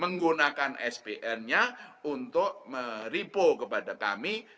menggunakan spn nya untuk repo kepada kami